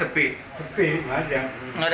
sepi enggak ada